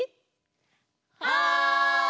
はい！